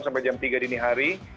sampai jam tiga dini hari